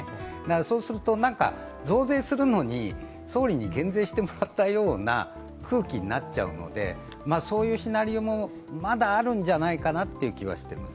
そうすると増税するのに総理に減税してもらったような空気になっちゃうのでそういうシナリオも、まだあるんじゃないかなという気はしています。